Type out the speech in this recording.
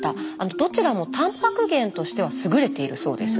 どちらもタンパク源としては優れているそうです。